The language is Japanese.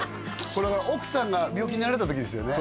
これは奥さんが病気になられた時ですよね？